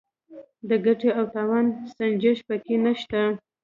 د ګټې او تاوان سنجش پکې نشته.